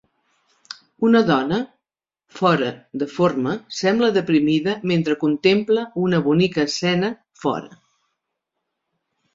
Una dona fora de forma sembla deprimida mentre contempla una bonica escena fora.